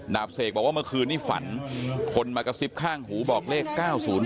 เสกบอกว่าเมื่อคืนนี้ฝันคนมากระซิบข้างหูบอกเลข๙๐